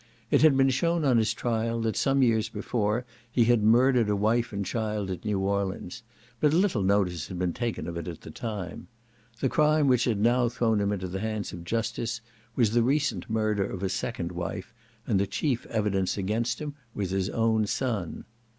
It had been shewn on his trial, that some years before he had murdered a wife and child at New Orleans, but little notice had been taken of it at the time. The crime which had now thrown him into the hands of justice was the recent murder of a second wife, and the chief evidence against him was his own son.